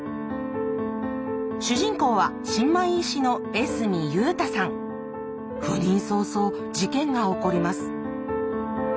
主人公は新米医師の赴任早々事件が起こります。